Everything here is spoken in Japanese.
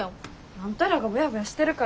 あんたらがボヤボヤしてるからや。